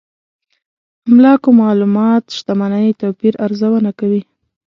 املاکو معلومات شتمنۍ توپير ارزونه کوي.